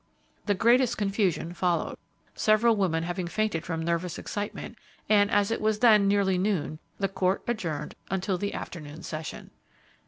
The greatest confusion followed, several women having fainted from nervous excitement, and, as it was then nearly noon, the court adjourned until the afternoon session.